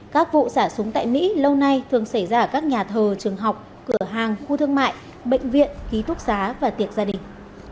các vụ xả súng tại mỹ lâu nay thường xảy ra ở các nhà thờ trường học cửa hàng khu thương mại bệnh viện ký túc xá và tiệc gia đình